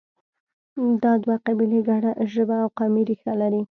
دا دوه قبیلې ګډه ژبه او قومي ریښه لري.